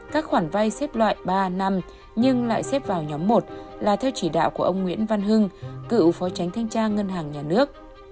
các khoản vay xếp loại ba năm nhưng lại xếp vào nhóm một là theo chỉ đạo của ông nguyễn văn hưng cựu phó tránh thanh tra ngân hàng nhà nước